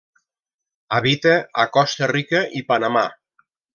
Habita a Costa Rica i Panamà.